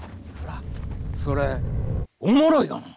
それおもろいがな。